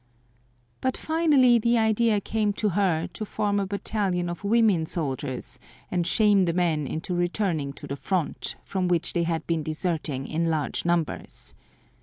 But finally the idea came to her to form a battalion of women soldiers and shame the men into returning to the front, from which they had been deserting in large numbers.